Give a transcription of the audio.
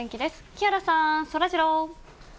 木原さん、そらジロー。